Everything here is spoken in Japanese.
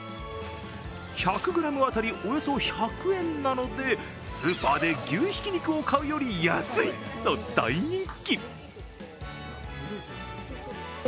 １００ｇ当たりおよそ１００円なのでスーパーで牛ひき肉を買うより安いと大人気。